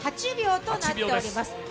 ８秒となっております。